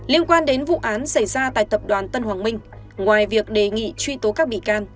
liên quan đến vụ án xảy ra tại tập đoàn tân hoàng minh ngoài việc đề nghị truy tố các bị can